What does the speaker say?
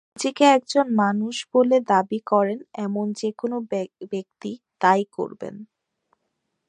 নিজেকে একজন মানুষ বলে দাবি করেন এমন যেকোনো ব্যক্তি তা-ই করবেন।